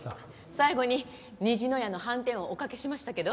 最後に虹の屋のはんてんをおかけしましたけど。